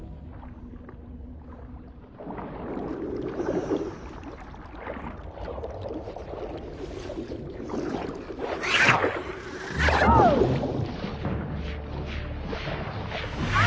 ああっ！